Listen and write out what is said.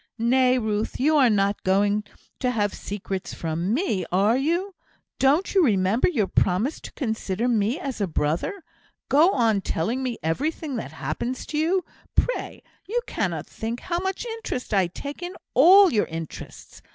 "Nay, Ruth, you are not going to have secrets from me, are you? Don't you remember your promise to consider me as a brother? Go on telling me everything that happens to you, pray; you cannot think how much interest I take in all your interests.